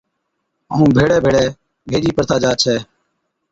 ائُون ڀيڙي ڀيڙي ڀيڏِي پڙھتا جا ڇَي